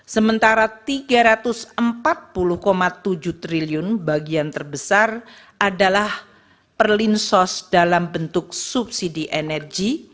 sementara rp tiga ratus empat puluh tujuh triliun bagian terbesar adalah perlinsos dalam bentuk subsidi energi